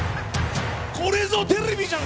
これぞテレビじゃん